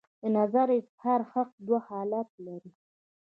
د نظر د اظهار حق دوه حالته لري.